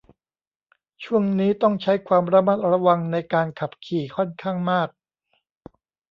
ช่วงนี้ต้องใช้ความระมัดระวังในการขับขี่ค่อนข้างมาก